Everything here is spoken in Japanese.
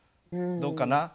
どうかな？